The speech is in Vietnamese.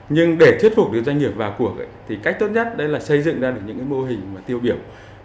nhưng để thuyết phục được doanh nghiệp vào cuộc thì cách tốt nhất là xây dựng ra những mô hình tiêu biểu